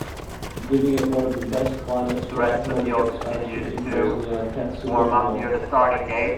Giving it one of the best climates for economic expansion in Bosnia-Herzegovina.